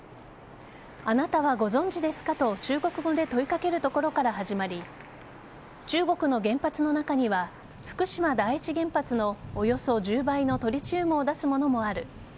あなたはご存じですかと中国語で問いかけるところから始まり中国の原発の中には福島第一原発のおよそ１０倍のトリチウムを出すものもある。